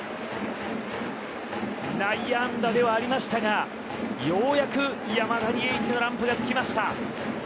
内野安打ではありましたがようやく山田にＨのランプがつきました。